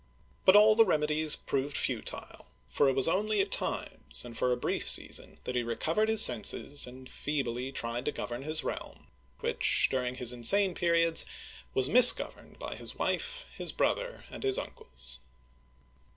' But all the remedies proved futile, for it was only at times, and for a brief season, that he recovered his senses and feebly tried to govern his realm, which, during his insane periods, was misgoverned by his wife, his brother, and his uncles.